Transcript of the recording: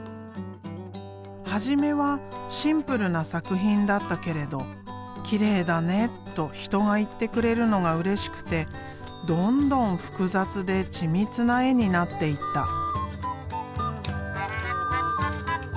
初めはシンプルな作品だったけれど「きれいだね」と人が言ってくれるのがうれしくてどんどん複雑で緻密な絵になっていった。